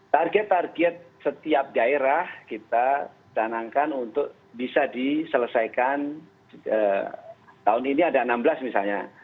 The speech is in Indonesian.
target target setiap daerah kita canangkan untuk bisa diselesaikan tahun ini ada enam belas misalnya